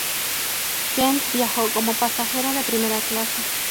Kent viajó como pasajero de primera clase.